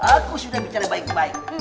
aku sudah bicara baik baik